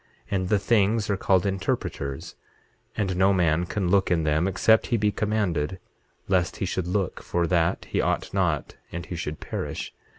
And the things are called interpreters, and no man can look in them except he be commanded, lest he should look for that he ought not and he should perish.